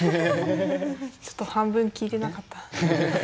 ちょっと半分聞いてなかった。